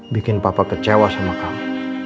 bikin papa kecewa sama kamu